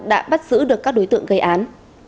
đã bắt giữ được các đối tượng gây án